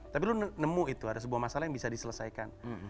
tapi lu nemu itu ada sebuah masalah yang bisa diselesaikan